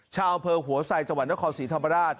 ชาวเผลอหัวใส่จังหวัดนครศรีธรรมราช